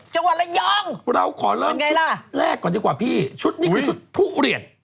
จังหวัดระยองเราขอเริ่มชุดแรกก่อนดีกว่าพี่ชุดนี้คือชุดทุเรียน